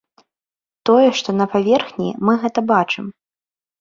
Тое, што на паверхні, мы гэта бачым.